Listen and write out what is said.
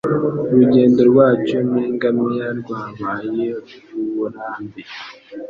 Urugendo rwacu n'ingamiya rwabaye uburambe.